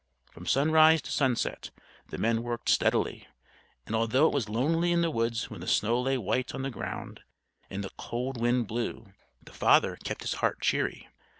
From sunrise to sunset the men worked steadily; and although it was lonely in the woods when the snow lay white on the ground and the cold wind blew, the father kept his heart cheery.